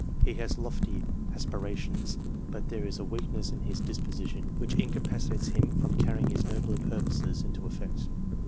He has lofty aspirations, but there is a weakness in his disposition, which incapaci tates him from carrying his nobler purposes into effect.